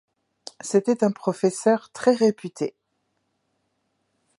C'était un professeur très réputé.